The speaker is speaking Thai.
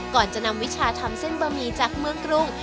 ก่อนจะนำวิชาทำเส้นบะหมี่จากเมืองกรุง